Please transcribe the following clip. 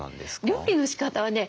料理のしかたはね